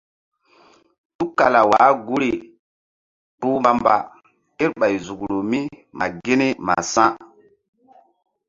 Tukala wah guri kpuh mbamba kerɓay zukru mi ma gini ma sa̧.